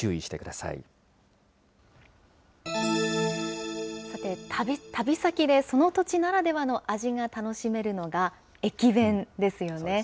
さて、旅先でその土地ならではの味が楽しめるのが、駅弁ですよね。